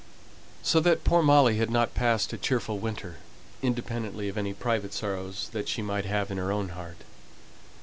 So that poor Molly had not passed a cheerful winter, independently of any private sorrows that she might have in her own heart.